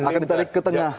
akan ditarik ke tengah